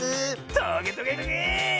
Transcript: トゲトゲトゲ！